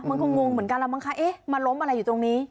มันคงงงเหมือนกันแล้วมันล้มอะไรอยู่ตรงนี้